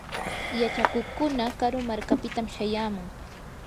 yachakuqkuna karu markapitam shayamun.